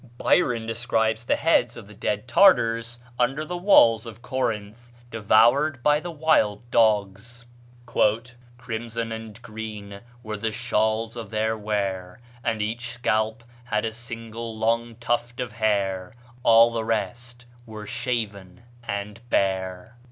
Byron describes the heads of the dead Tartars under the walls of Corinth, devoured by the wild dogs: "Crimson and green were the shawls of their wear, And each scalp had a single long tuft of hair, All the rest was shaven and bare."